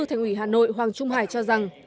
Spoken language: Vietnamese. thành ủy hà nội hoàng trung hải cho rằng